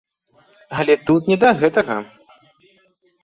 Але тут не да гэтага.